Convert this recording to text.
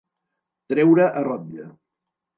Treure a rotlle.